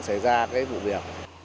xảy ra vụ việc